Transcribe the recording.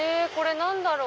何だろう？